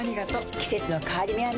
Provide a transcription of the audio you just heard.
季節の変わり目はねうん。